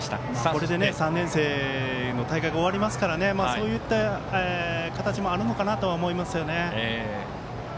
これで３年生の大会が終わりますからそういった形もあるのかなと思いますよね。